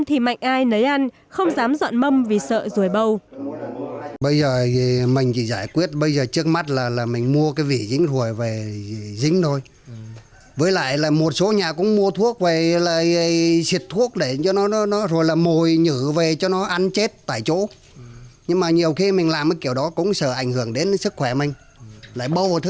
thì mạnh ai nấy ăn không dám dọn mâm vì sợ rùi bầu